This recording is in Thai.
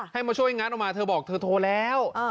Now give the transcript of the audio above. มาช่วยงัดออกมาเธอบอกเธอโทรแล้ว